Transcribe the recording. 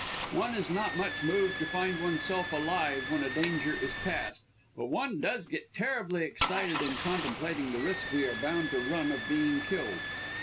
One is not much moved to find oneself alive when a danger is passed, but one does get terribly excited in contemplating the risk we are bound to run of being killed.